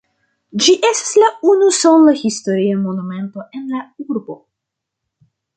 Ĝi estas la unusola historia monumento en la urbo.